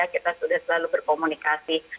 kita sudah selalu berkomunikasi